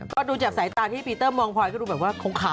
ก็ดูจากสายตาที่ปีเตอร์มองพลอยก็ดูแบบว่าคงขาว